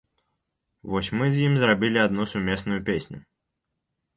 Вось мы з ім зрабілі адну сумесную песню.